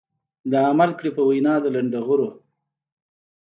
لا عمل کړي په وينا د لنډغرو.